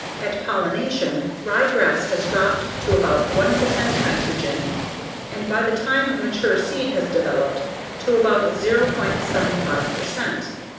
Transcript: At pollination ryegrass has dropped to about l percent nitrogen and by the time mature seed has developed, to about 0.75 percent.